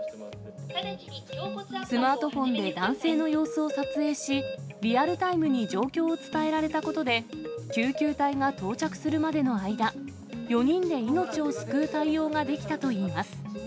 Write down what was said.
スマートフォンで男性の様子を撮影し、リアルタイムに状況を伝えられたことで、救急隊が到着するまでの間、４人で命を救う対応ができたといいます。